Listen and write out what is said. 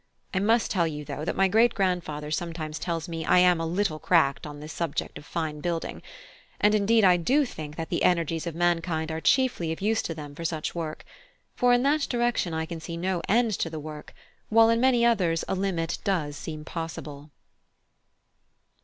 I must tell you, though, that my great grandfather sometimes tells me I am a little cracked on this subject of fine building; and indeed I do think that the energies of mankind are chiefly of use to them for such work; for in that direction I can see no end to the work, while in many others a limit does seem possible."